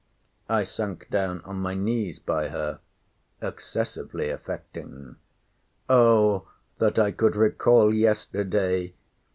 I sunk down on my knees by her, excessively affecting—O that I could recall yesterday!